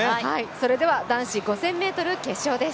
それでは男子５０００ｍ決勝です